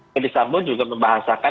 fede sambo juga membahasakan